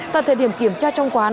tại thời điểm kiểm tra trong quán